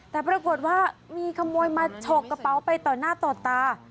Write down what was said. แต่ปรากฏว่ามีขโมยมาฉกกระเป๋าไปต่อหน้าต่อตา